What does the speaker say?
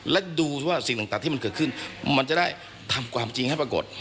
และดูว่าสิ่งต่างที่มันเกิดขึ้นมันจะได้ทำความจริงให้ปรากฏ